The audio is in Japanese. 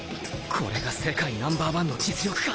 これが世界ナンバー１の実力か。